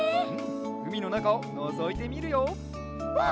うみのなかをのぞいてみるよわあ！